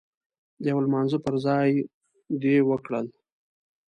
د يو لمانځه پر ځای دې وکړل.